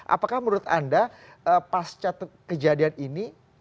apakah menurut anda pasca kejadian ini